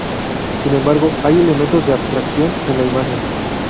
Sin embargo, hay elementos de abstracción en la imagen.